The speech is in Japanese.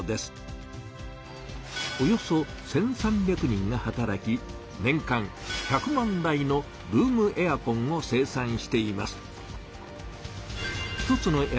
およそ１３００人が働き年間１００万台のルームエアコンを生産しています。